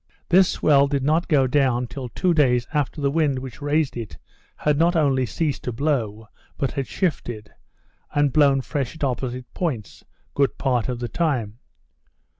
This swell did not go down till two days after the wind which raised it had not only ceased to blow, but had shifted, and blown fresh at opposite points, good part of the time.